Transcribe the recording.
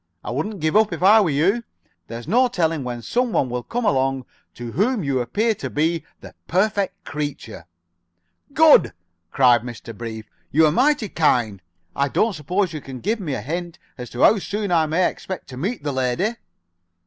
"I wouldn't give up, if I were you. There's no telling when some one will come along to whom you appear to be the perfect creature." "Good!" cried Mr. Brief. "You are mighty kind. I don't suppose you can give me a hint as to how soon I may expect to meet the lady?"